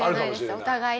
お互いね。